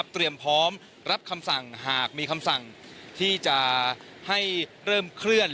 เตรียมพร้อมรับคำสั่งหากมีคำสั่งที่จะให้เริ่มเคลื่อน